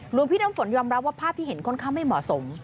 หลวงพี่น้ำฝนยอมรับว่าภาพที่เห็นค่อนข้างไม่เหมาะสม